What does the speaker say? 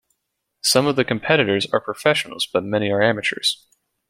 Some of the competitors are professionals but many are amateurs.